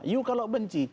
you kalau benci